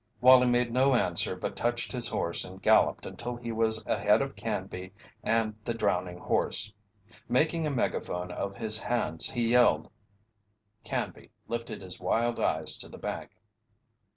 Wallie made no answer but touched his horse and galloped until he was ahead of Canby and the drowning horse. Making a megaphone of his hands he yelled. Canby lifted his wild eyes to the bank.